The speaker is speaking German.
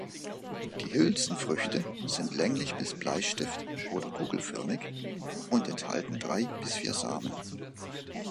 Die Hülsenfrüchte sind länglich bis bleistift- oder kugelförmig und enthalten drei bis vier Samen.